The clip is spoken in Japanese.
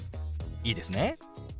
いいですね？